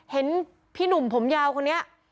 เห็นพี่หนุ่มผมยาวคนนี้